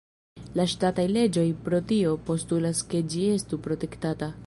La ŝtataj leĝoj pro tio postulas ke ĝi estu protektata.